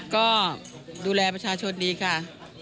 ก็ดูแลประชาชนดีค่ะ